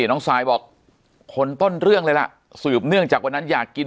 น้องซายบอกคนต้นเรื่องเลยล่ะสืบเนื่องจากวันนั้นอยากกิน